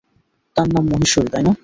তার নাম মহেশ্বরী, তাই না?